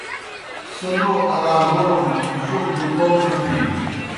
سہ لو الاگوڑُن جوک گہ کوْم نہ تِھینوْ۔